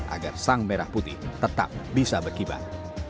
agar sang merah putih tetap bisa berkibat